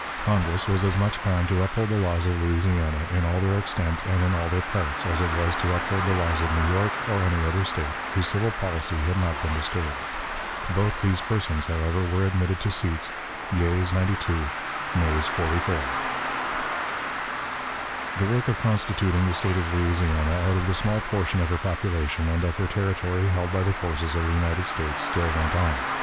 Congress was as much bound to uphold the laws of Louisiana, in all their extent and in all their parts, as it was to uphold the laws of New York, or any other State, whose civil policy had not been disturbed. Both those persons, however, were admitted to seats yeas, 92; nays, 44. The work of constituting the State of Louisiana out of the small portion of her population and of her territory held by the forces of the United States still went on.